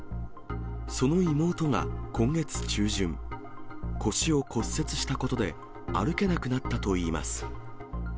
その妹が今月中旬、腰を骨折したことで歩けなくなったといいます。